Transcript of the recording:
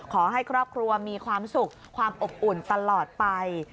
ขอให้ครอบครัวมีความสุขความอบอุ่นตลอดไป